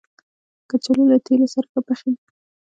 کچالو له تېلو سره ښه پخېږي